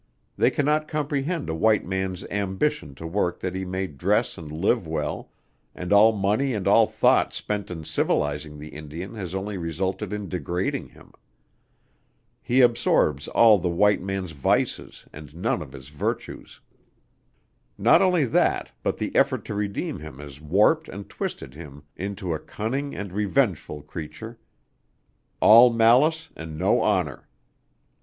They cannot comprehend a white man's ambition to work that he may dress and live well, and all money and all thought spent in civilizing the Indian has only resulted in degrading him. He absorbs all the white man's vices and none of his virtues. Not only that, but the effort to redeem him has warped and twisted him into a cunning and revengeful creature; all malice and no honor.